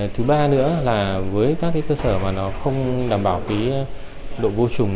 thứ ba nữa là với các cái cơ sở mà nó không đảm bảo cái độ vô trùng